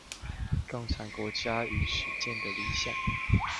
共產國家已實踐的理想